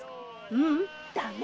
ううんダメ！